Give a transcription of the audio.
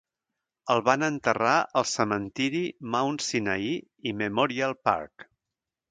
El van enterrar al cementiri Mount Sinai Memorial Park.